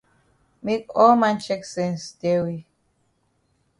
Make all man chek sense tell we.